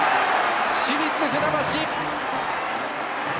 市立船橋。